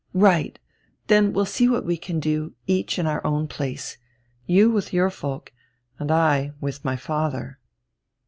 "Right; then we'll see what we can do, each in our own place. You with your folk and I with my father."